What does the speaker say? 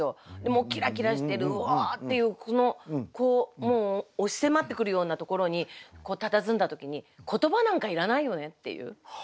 もうキラキラしてるウォーッていう押し迫ってくるようなところにたたずんだ時に言葉なんかいらないよねっていう。